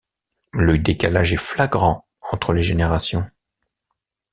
Le décalage est flagrant entre les générations.